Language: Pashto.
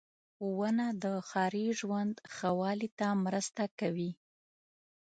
• ونه د ښاري ژوند ښه والي ته مرسته کوي.